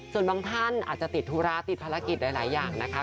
ส่วนบางท่านอาจจะติดธุระติดภารกิจหลายอย่างนะคะ